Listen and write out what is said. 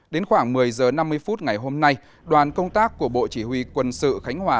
đến khoảng một mươi h năm mươi phút ngày hôm nay đoàn công tác của bộ chỉ huy quân sự khánh hòa